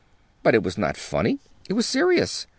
But it was not funny; it was serious.